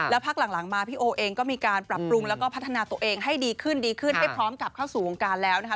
พักหลังมาพี่โอเองก็มีการปรับปรุงแล้วก็พัฒนาตัวเองให้ดีขึ้นดีขึ้นให้พร้อมกลับเข้าสู่วงการแล้วนะคะ